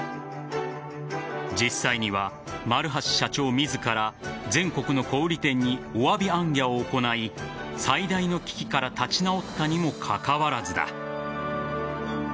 実際には丸橋社長自ら全国の小売店にお詫び行脚を行い最大の危機から立ち直ったにもかかわらずだ。